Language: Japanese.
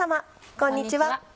こんにちは。